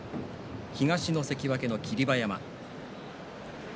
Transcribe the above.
東の関脇の霧馬山。